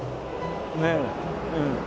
ねえうん。